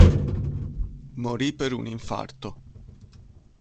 Morì per un infarto.